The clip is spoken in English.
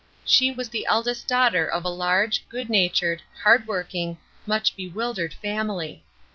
She was the eldest daughter of a large, good natured, hard working, much bewildered family.